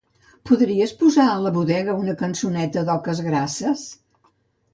Podries posar a la bodega una cançoneta d'Oques Grasses?